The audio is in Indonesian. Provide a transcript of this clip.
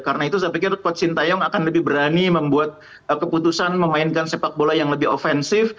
karena itu saya pikir coach sintayong akan lebih berani membuat keputusan memainkan sepak bola yang lebih ofensif